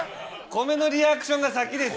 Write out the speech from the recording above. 米のリアクションが先です！